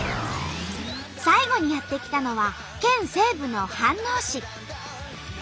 最後にやって来たのは県西部の飯能市。